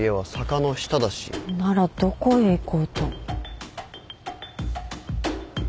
ならどこへ行こうと。